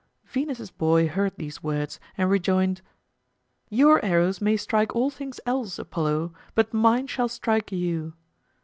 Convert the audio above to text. Venus's boy heard these words, and rejoined, "Your arrows may strike all things else, Apollo, but mine shall strike you."